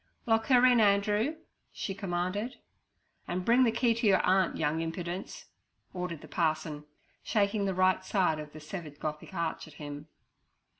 'Lock her in, Andrew' she commanded. 'And bring the key to your aunt, young impudence' ordered the parson, shaking the right side of the severed Gothic arch at him.